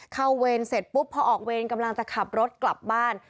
เวรเสร็จปุ๊บพอออกเวรกำลังจะขับรถกลับบ้าน